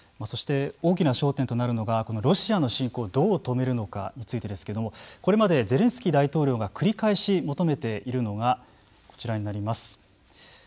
そして大きな焦点となるのがこのロシアの侵攻をどう止めるのかについてですけれどもこれまで、ゼレンスキー大統領が繰り返し求めているのがこちらになります。